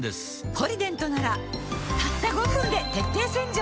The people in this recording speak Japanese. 「ポリデント」ならたった５分で徹底洗浄